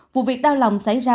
vụ việc đau lòng xảy ra